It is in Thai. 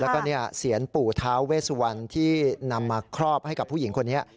แล้วก็เสียงปู่ท้าเวสวันที่นำมาครอบให้กับผู้หญิงคนนี้